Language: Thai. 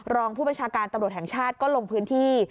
รองผู้บัญชาการตำรวจแห่งชาติก็ลงพื้นที่